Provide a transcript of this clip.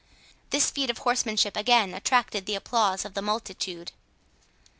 This feat of horsemanship again attracted the applause of the multitude.